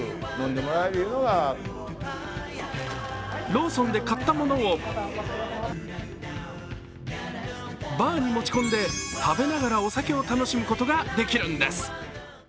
ローソンで買ったものをバーに持ち込んで、食べながらお酒を楽しむことができるんです。